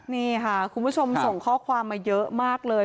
นี่ค่ะคุณผู้ชมส่งข้อความมาเยอะมากเลย